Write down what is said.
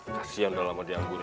kasian udah lama dianggun ini